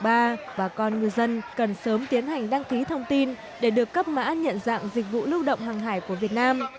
bà và con ngư dân cần sớm tiến hành đăng ký thông tin để được cấp mã nhận dạng dịch vụ lưu động hàng hải của việt nam